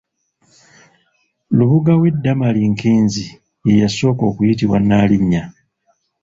Lubuga we Damali Nkinzi ye yasooka okuyitibwa Nnaalinya.